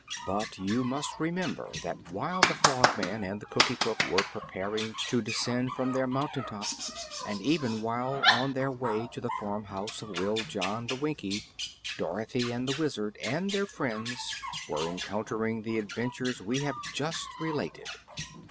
But you must remember that while the Frogman and the Cookie Cook were preparing to descend from their mountaintop, and even while on their way to the farmhouse of Wiljon the Winkie, Dorothy and the Wizard and their friends were encountering the adventures we have just related.